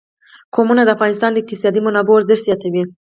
قومونه د افغانستان د اقتصادي منابعو ارزښت زیاتوي.